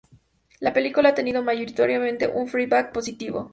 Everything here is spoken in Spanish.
La película ha tenido, mayoritariamente, un "feedback" positivo.